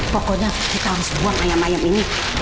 pokoknya kita harus buang ayam ayam ini